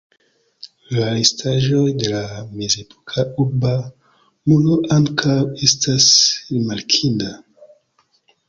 La restaĵoj de la mezepoka urba muro ankaŭ estas rimarkinda.